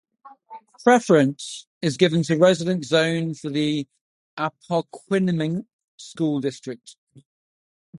Preference is given to residents zoned for the Appoquinimink School District.